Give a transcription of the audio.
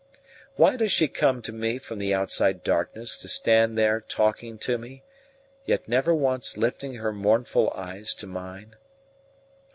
Why does she come to me from the outside darkness to stand there talking to me, yet never once lifting her mournful eyes to mine?